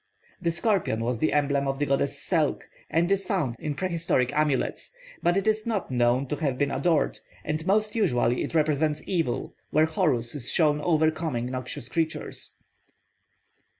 The scorpion was the emblem of the goddess Selk, and is found in prehistoric amulets; but it is not known to have been adored, and most usually it represents evil, where Horus is shown overcoming noxious creatures.